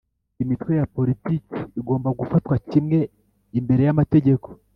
Imitwe ya politiki igomba gufatwa kimwe imbere yamategeko